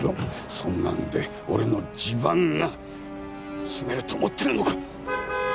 そんなんで俺の地盤が継げると思ってるの・プップー！